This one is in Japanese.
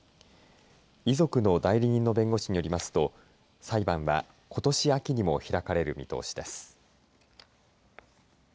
遺族の代理人の弁護士によりますと裁判はことし秋にも開かれる見通しです。